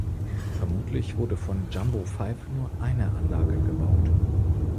Vermutlich wurde von "Jumbo V" nur eine Anlage gebaut.